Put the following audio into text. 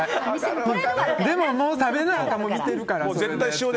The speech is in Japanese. でも食べなあかん、見てるから。